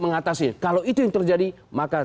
mengatasi kalau itu yang terjadi maka